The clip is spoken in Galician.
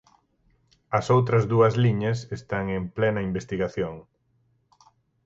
As outras dúas liñas están en plena investigación.